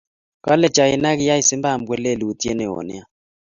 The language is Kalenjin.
kale china kiyai zimbabwe lelutiet newon nea